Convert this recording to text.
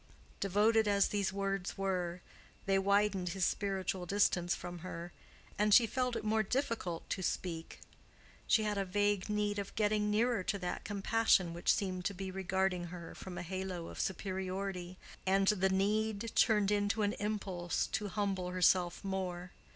Devoted as these words were, they widened his spiritual distance from her, and she felt it more difficult to speak: she had a vague need of getting nearer to that compassion which seemed to be regarding her from a halo of superiority, and the need turned into an impulse to humble herself more.